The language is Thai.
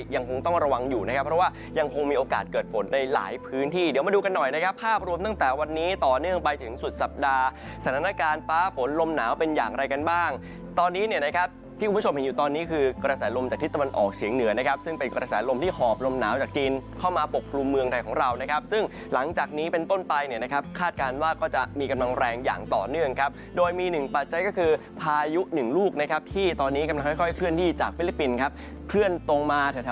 ยังคงมีโอกาสเกิดฝนในหลายพื้นที่เดี๋ยวมาดูกันหน่อยนะครับภาพรวมตั้งแต่วันนี้ต่อเนื่องไปถึงสุดสัปดาห์สถานการณ์ป่าฝนลมหนาวเป็นอย่างไรกันบ้างตอนนี้นะครับที่คุณผู้ชมเห็นอยู่ตอนนี้คือกระแสลมจากที่ตะวันออกเฉียงเหนือนะครับซึ่งเป็นกระแสลมที่หอบลมหนาวจากจีนเข้ามาปกปรุงเมืองไทยของ